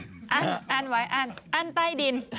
อั้นอั้นไว้อั้นอั้นใต้ดิน